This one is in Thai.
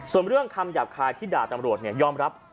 ส่วนเรื่องคำหยาบคายที่ด่าตำรวจยอมรับ